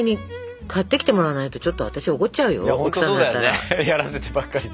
やらせてばっかりじゃね。